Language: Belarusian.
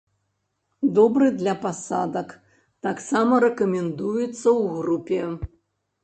Добры для пасадак, таксама рэкамендуецца ў групе.